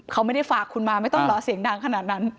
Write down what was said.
เขาไม่ได้ฝากคุณมาไม่ต้องรอเสียงดังขนาดนั้น